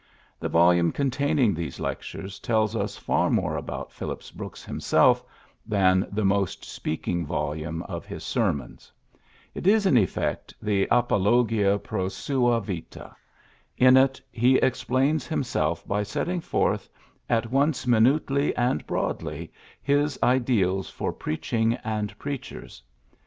The volume containing these lectures tells us far more about Phillips Brooks himself than the most speaking volume of his sermons. It is, in effect, the apolo gia pro sud vita. In it he explains him self by setting forth, at once minutely and broadly, his ideals for preaching and preachers.